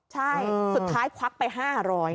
ใช่สุดท้ายควักไป๕๐๐บาท